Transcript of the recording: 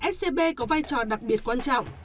scb có vai trò đặc biệt quan trọng